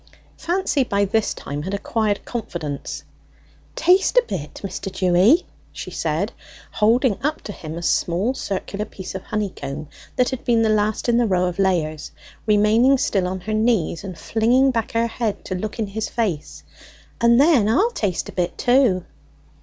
Fancy by this time had acquired confidence. "Taste a bit, Mr. Dewy," she said, holding up to him a small circular piece of honeycomb that had been the last in the row of layers, remaining still on her knees and flinging back her head to look in his face; "and then I'll taste a bit too."